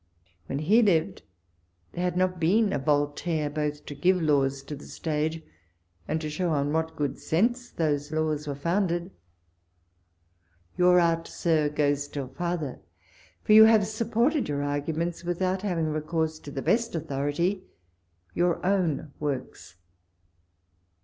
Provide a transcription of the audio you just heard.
When he lived, there had not been a Voltaire both to give laws to the stage, and to show on what good sense tho^ • laws were founded. Your art. Sir, goes still farther : for you have supported your argu E*— 27 138 walpole's letters. mcnts, without having recourse to the best authority, your own Works.